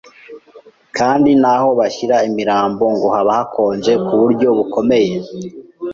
kandi n’aho bashyira imirambo ngo haba hakonje ku buryo bukomeye